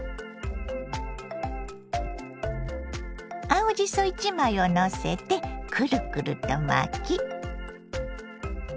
青じそ１枚をのせてクルクルと巻き。